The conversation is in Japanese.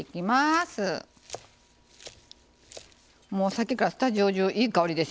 さっきからスタジオ中いい香りですよね。